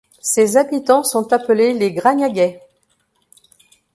Ses habitants sont appelés les Gragnaguais.